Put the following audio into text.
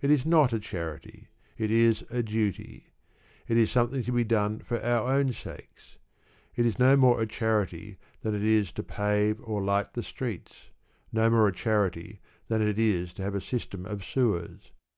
It is not a charity: it is a duty. It is something to be done for our own sakes. It is no more a charity than it is to pave or light the streets, no more a charity than it is to have a system of sewers.